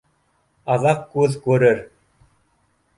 Аҙаҡ күҙ күрер